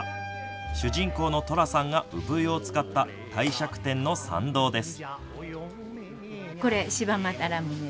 主人公の寅さんが産湯をつかった帝釈天の参道です。